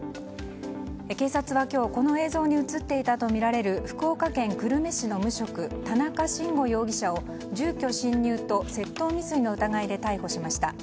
警察は今日この映像に映っていたとみられる福岡県久留米市の無職田中慎吾容疑者を住居侵入と窃盗未遂の疑いで逮捕しました。